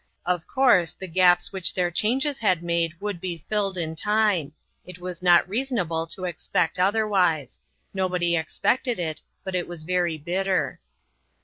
Of course, the gaps which their changes had made would be filled in time ; it was not reason able to expect otherwise. Nobody expected it, but it was very bitter.